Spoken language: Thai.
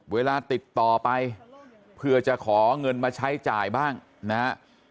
เวลาติดต่อไปเพื่อจะขอเงินมาใช้จ่ายบ้างนะฮะ